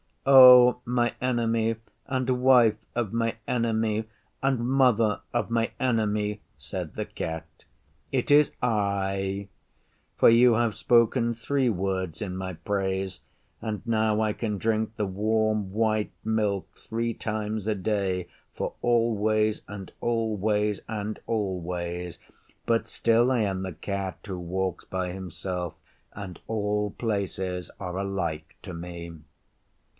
'O my Enemy and Wife of my Enemy and Mother of my Enemy, said the Cat, 'it is I; for you have spoken three words in my praise, and now I can drink the warm white milk three times a day for always and always and always. But still I am the Cat who walks by himself, and all places are alike to me.